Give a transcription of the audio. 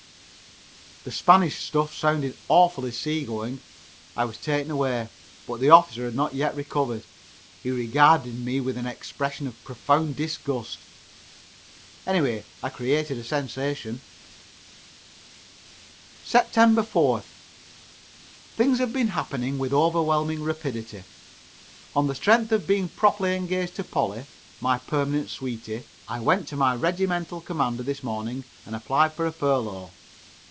That Spanish stuff sounds awfully sea going. I was taken away, but the officer had not yet recovered. He regarded me with an expression of profound disgust. Anyway I created a sensation. [Illustration: "'I WOULD STILL REMAIN IN A DENSE FOG,' I GASPED IN A LOW VOICE"] Sept. 4th. Things have been happening with overwhelming rapidity. On the strength of being properly engaged to Polly, my permanent sweetie, I went to my Regimental commander this morning and applied for a furlough.